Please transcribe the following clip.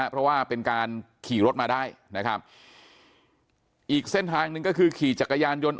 เพราะว่าเป็นการขี่รถมาได้นะครับอีกเส้นทางหนึ่งก็คือขี่จักรยานยนต์